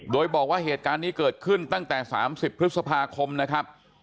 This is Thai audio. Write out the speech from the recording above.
โดยบอกว่าเหตุการณ์นี้เกิดขึ้นตั้งแต่๓๐พฤษภาคมนะครับ